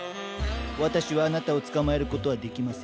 私はあなたを捕まえることはできません。